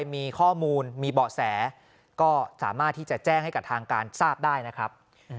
มีข้อมูลมีเบาะแสก็สามารถที่จะแจ้งให้กับทางการทราบได้นะครับ